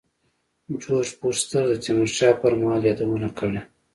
جورج فورستر د تیمور شاه پر مهال یادونه کړې.